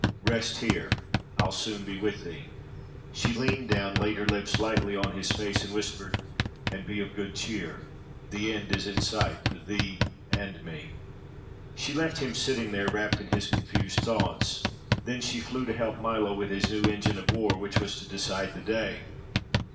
Rest here. I'll soon be with thee." She leaned down, laid her lips lightly on his face, and whispered: "And be of good cheer; the end is in sight for thee and me." She left him sitting there, wrapped in his confused thoughts. Then she flew to help Milo with his new engine of war which was to decide the day.